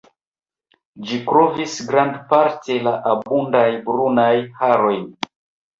Ĝi kovris grandparte la abundajn brunajn harojn.